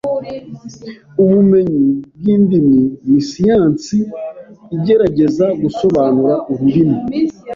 Ubumenyi bwindimi ni siyansi igerageza gusobanura ururimi.